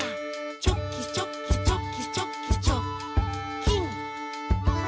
「チョキチョキチョキチョキチョッキン！」